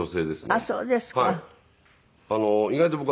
あっそうですか。